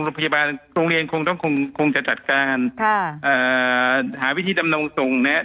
โรงพยาบาลโรงเรียนคงจะจัดการหาวิธีนำนวงส่งเนี่ย